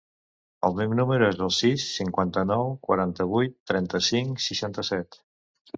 El meu número es el sis, cinquanta-nou, quaranta-vuit, trenta-cinc, seixanta-set.